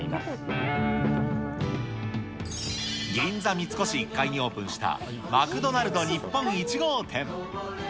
三越１階にオープンした、マクドナルド日本１号店。